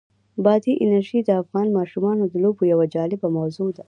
بادي انرژي د افغان ماشومانو د لوبو یوه جالبه موضوع ده.